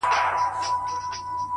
تامي د خوښۍ سترگي راوباسلې مړې دي كړې!